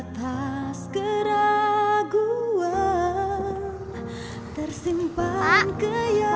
pak mau beli gorengannya